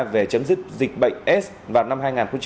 về chấm dứt dịch bệnh aids vào năm hai nghìn ba mươi